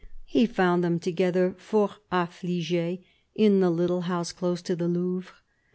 He found them together, " fort afflig6s," in the little house close to the Louvre.